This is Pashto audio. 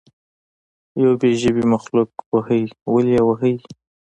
یو بې ژبې مخلوق وهئ ولې یې وهئ.